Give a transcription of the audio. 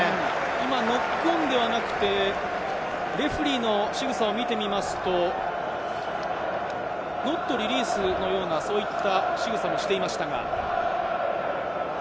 今、ノックオンではなくて、レフェリーのしぐさを見てみますと、ノットリリースのようなしぐさもしていましたが。